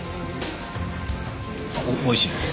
おいしいです。